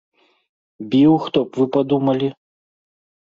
Біў, хто б вы падумалі?